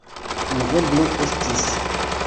Neeble estis!